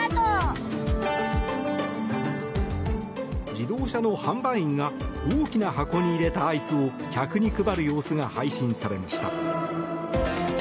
自動車の販売員が大きな箱に入れたアイスを客に配る様子が配信されました。